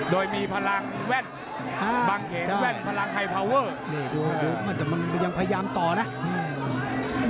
โดยมีพลังแว่นอาาบังเฮวแหว่นพลังไฮพาเวอร์อืมมันจะมันยังพยายามต่อน่ะอืม